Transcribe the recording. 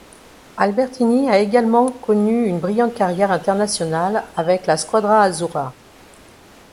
Albertini a également connu une brillante carrière internationale avec la Squadra Azzurra.